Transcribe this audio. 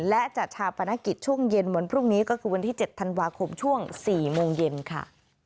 และจัดชาปนกิจช่วงเย็นวันพรุ่งนี้ก็คือวันที่๗ธันวาคมช่วง๔โมงเย็นค่ะ